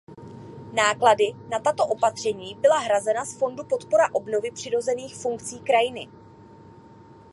Náklady na tato opatření byla hrazena z fondu Podpora obnovy přirozených funkcí krajiny.